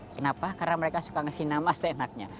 kenapa karena mereka suka ngasih nama seenaknya